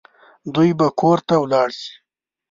دوی به کور ته ولاړ شي